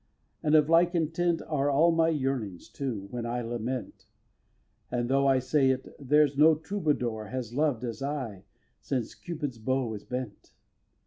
And of like intent Are all my yearnings, too, when I lament. And, though I say it, there's no troubadour Has lov'd as I, since Cupid's bow was bent.